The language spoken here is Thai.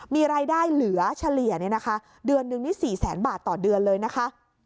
มีรายได้เหลือเฉลี่ยเดือนนึงนี่๔แสนบาทต่อเดือนเลยนะคะ